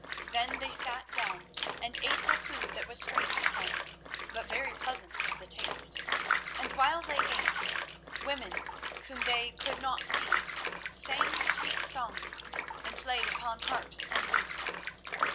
Then they sat down and ate the food that was strange to them, but very pleasant to the taste; and while they ate, women whom they could not see sang sweet songs, and played upon harps and lutes.